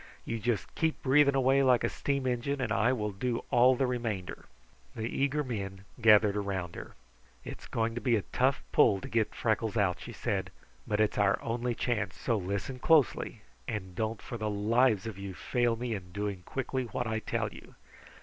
"You just keep breathing away like a steam engine, and I will do all the remainder." The eager men gathered around her. "It's going to be a tough pull to get Freckles out," she said, "but it's our only chance, so listen closely and don't for the lives of you fail me in doing quickly what I tell you.